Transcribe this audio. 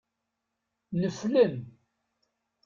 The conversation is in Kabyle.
Neflen.